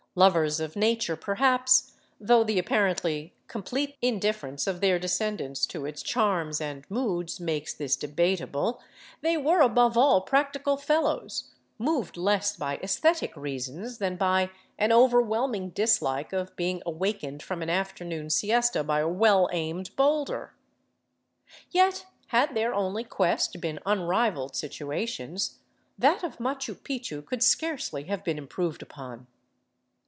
Lovers of nature, perhaps, though the apparently complete indifference of their descendants to its charms and moods makes this debatable, they were, above all, practical fellows, moved less by esthetic reasons thail by an overwhelming dislike of being awakened from an afternoon siesta by a well aimed boulder. Yet had their only quest been unrivaled situations, that of Machu Picchu could scarcely have been improved upon.